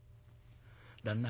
旦那。